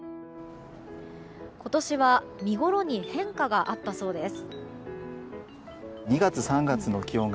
今年は見ごろに変化があったそうです。